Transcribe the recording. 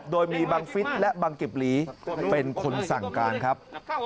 โดยมีบังฟิศและบังกิบหลีเป็นคนสั่งการครับ